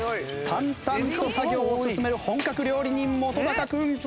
淡々と作業を進める本格料理人本君。